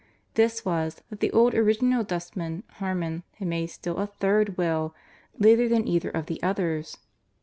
This was, that the old original dustman, Harmon, had made still a third will, later than either of the others.